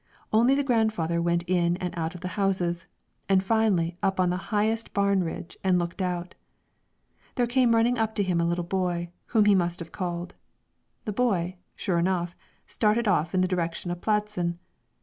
Only the grandfather went in and out of the houses, and finally up on the highest barn bridge and looked out. There came running up to him a little boy, whom he must have called. The boy, sure enough, started off in the direction of Pladsen.